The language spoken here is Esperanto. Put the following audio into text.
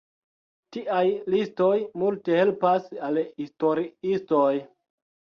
Tiaj listoj multe helpas al historiistoj.